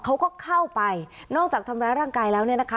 เขาก็เข้าไปนอกจากทำร้ายร่างกายแล้วเนี่ยนะคะ